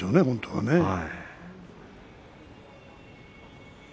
本当はね。